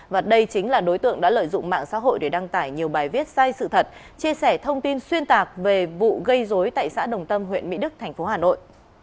và đây chính là đối tượng đã lợi dụng mạng xã hội để đăng tải nhiều bài viết sai sự thật chia sẻ thông tin xuyên tạc về vụ gây dối tại xã đồng tâm huyện mỹ đức tp hà nội